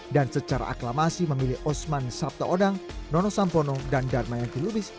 dan secara aklamasi memilih usman sabtaodang nono sampono dan dharma yaki lubis